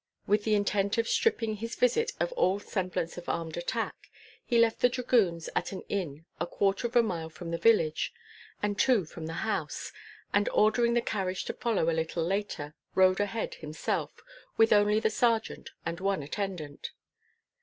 With the intent of stripping his visit of all semblance of armed attack, he left the dragoons at an inn a quarter of a mile from the village, and two from the house, and ordering the carriage to follow a little later, rode ahead himself, with only the sergeant and one attendant.